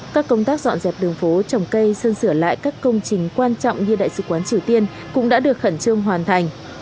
các công tác dọn dẹp đường phố trồng cây sơn sửa lại các công trình quan trọng như đại sứ quán triều tiên cũng đã được khẩn trương hoàn thành